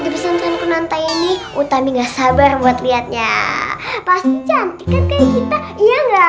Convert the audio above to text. di besokan kunantai ini utami nggak sabar buat lihatnya pasti cantik kan kayak kita